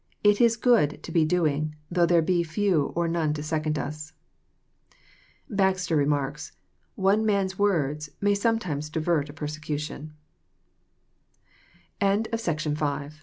It is good to be doing, though there be few or none to second us." Baxter remarks :*' One man's words may sometimes divert « peraecnti